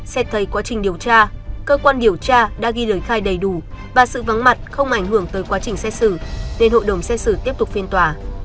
xét thấy quá trình điều tra cơ quan điều tra đã ghi lời khai đầy đủ và sự vắng mặt không ảnh hưởng tới quá trình xét xử nên hội đồng xét xử tiếp tục phiên tòa